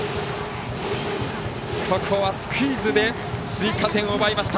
ここはスクイズで追加点を奪いました。